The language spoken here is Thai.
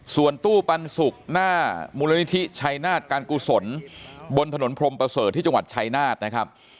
ส่วนตู้ปันสุกหน้ามูลนิธิชัยนาฏการกุศลบนถนนพรมประเสริฐที่จังหวัดชัยนาธนะครับ